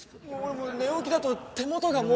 俺寝起きだと手元がもう。